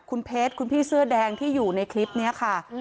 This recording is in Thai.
คุณเพชรคุณพี่เสื้อแดงที่อยู่ในคลิปนี้ค่ะ